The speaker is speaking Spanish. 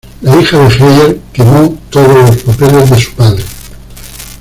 La hija de Heyer quemó todos los papeles de su padre.